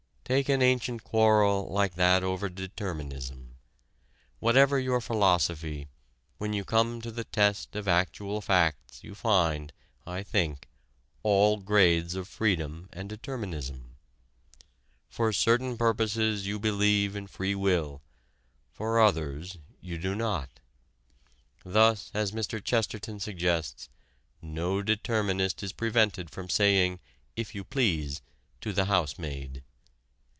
Take an ancient quarrel like that over determinism. Whatever your philosophy, when you come to the test of actual facts you find, I think, all grades of freedom and determinism. For certain purposes you believe in free will, for others you do not. Thus, as Mr. Chesterton suggests, no determinist is prevented from saying "if you please" to the housemaid.